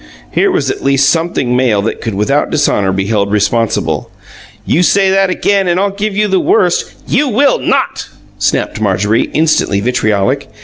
Here was at least something male that could without dishonour be held responsible. "You say that again, and I'll give you the worst " "You will NOT!" snapped Marjorie, instantly vitriolic.